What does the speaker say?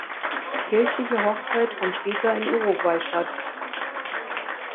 Die kirchliche Hochzeit fand später in Uruguay statt.